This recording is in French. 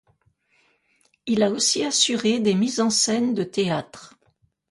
Il a aussi assuré des mises en scène de théâtre.